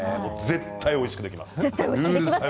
絶対おいしくできます。